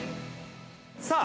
◆さあ